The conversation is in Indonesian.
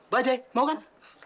bajai mau kan